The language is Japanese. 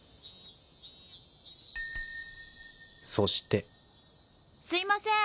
［そして］すいません。